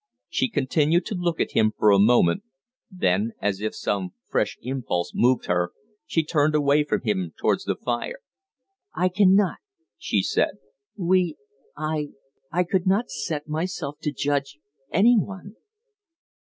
She continued to look at him for a moment; then, as if some fresh impulse moved her, she turned away from him towards the fire. "I cannot," she said. "We I I could not set myself to judge any one."